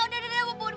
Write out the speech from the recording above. udah udah udah